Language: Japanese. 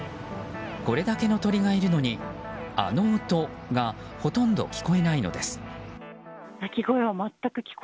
これだけの鳥がいるのにあの音がほとんど聞こえないのです。